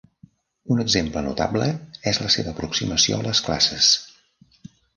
Un exemple notable és la seva aproximació a les classes.